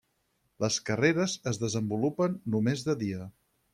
Les carreres es desenvolupen només de dia.